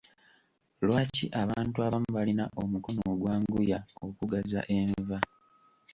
Lwaki abantu abamu balina omukono ogwanguya okugaza enva.